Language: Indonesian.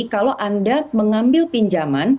kalau anda mengambil pinjaman